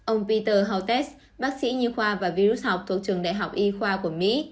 ông peter houths bác sĩ nhi khoa và virus học thuộc trường đại học y khoa của mỹ